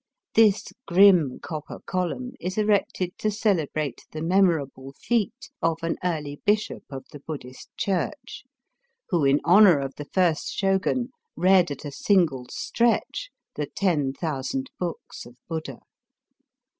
This grim copper column is erected to celebrate the memorable feat of an early bishop of the Buddhist Church, who in honour of the first Shogun read at a single stretch the ten thousand books of Buddha.